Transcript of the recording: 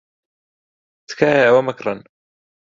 تکایە ئەوە مەکڕن.